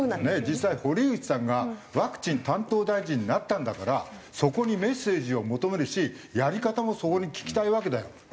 実際堀内さんがワクチン担当大臣になったんだからそこにメッセージを求めるしやり方もそこに聞きたいわけだよ。